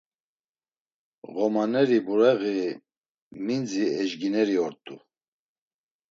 Ğomaneri bureği minzi ejgineri ort̆u.